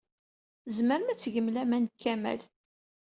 Tzemrem ad tgem laman deg Kamal.